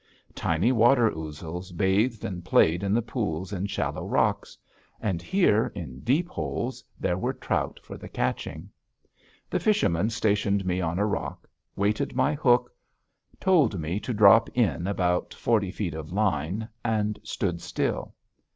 Tiny water ouzels bathed and played in the pools in shallow rocks. And here, in deep holes, there were trout for the catching. The fisherman stationed me on a rock, weighted my hook, told me to drop in about forty feet of line, and stand still.